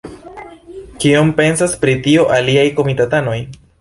Kion pensas pri tio aliaj komitatanoj?